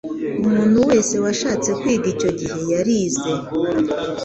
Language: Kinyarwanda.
umuntu wese washatse kwiga icyo gihe yarize